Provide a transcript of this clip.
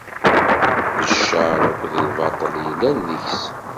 D ccer akked lbaṭel i yellan deg-s.